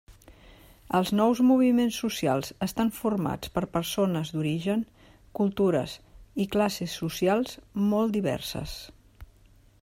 Els nous moviments socials estan formats per persones d'origen, cultures i classes socials molt diverses.